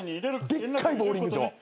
でっかいボウリング場。